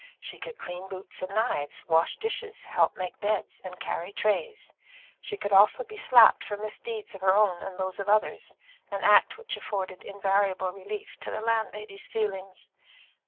She could clean boots and knives, wash dishes, help make beds, and carry trays; she could also be slapped for misdeeds of her own and those of others, an act which afforded invariable relief to the landlady's feelings.